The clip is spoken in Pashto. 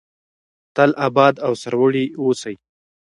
تل اباد او سرلوړي اوسئ.